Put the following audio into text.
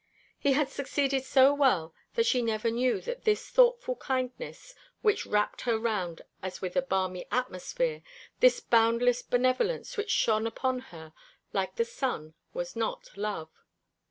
He had succeeded so well that she never knew that this thoughtful kindness which wrapt her round as with a balmy atmosphere, this boundless benevolence which shone upon her like the sun, was not love.